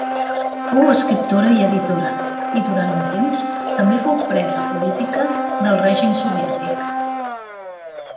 Fou escriptora i editora i durant un temps també fou presa política del règim soviètic.